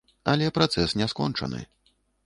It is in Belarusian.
Але працэс не скончаны.